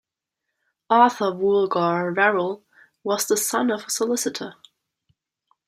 Arthur Woollgar Verrall was the son of a solicitor.